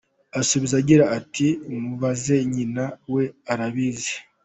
Asubiza agira ati “ Mubaze nyina , we arabizi.